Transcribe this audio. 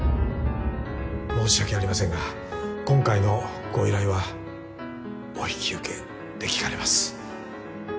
申し訳ありませんが今回のご依頼はお引き受けできかねます